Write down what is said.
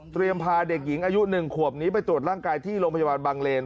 พาเด็กหญิงอายุ๑ขวบนี้ไปตรวจร่างกายที่โรงพยาบาลบางเลน